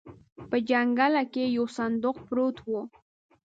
په جنګله کې يو صندوق پروت و.